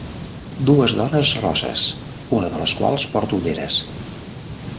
Dues dones rosses, una de les quals porta ulleres